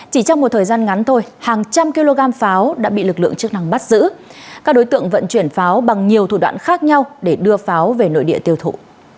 chỉ trong một thời gian ngắn thôi hàng trăm kg pháo đã bị lực lượng chức năng bắt giữ các đối tượng vận chuyển pháo bằng nhiều thủ đoạn khác nhau để đưa pháo về nội địa tiêu thụ